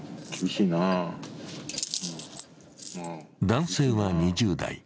男性は２０代。